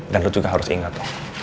dan lo juga harus ingat